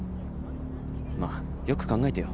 まあよく考えてよ。